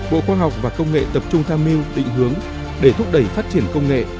bộ khoa học và công nghệ tập trung tham mưu định hướng để thúc đẩy phát triển công nghệ